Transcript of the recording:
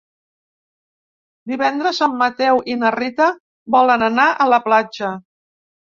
Divendres en Mateu i na Rita volen anar a la platja.